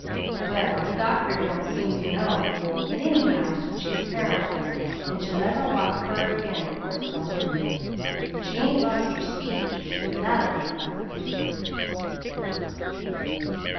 "Well, the doctor don't seem to know; but anyhow she's paralyzed, and she'll never walk fur again, poor soul! She ain't lost her speech; that'll be a comfort to her."